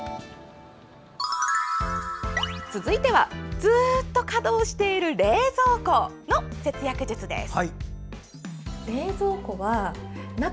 続いては、ずっと稼働している冷蔵庫の節約術です。